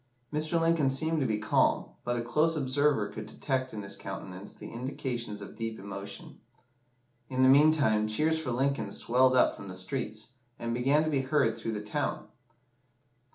Mr. Lincoln seemed to be calm, but a close observer could detect in his countenance the indications of deep emotion. In the meantime, cheers for Lincoln swelled up from the streets, and began to be heard through the town.